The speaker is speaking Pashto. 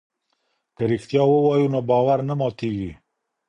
که رښتیا ووایو نو باور نه ماتیږي.